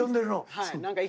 はい。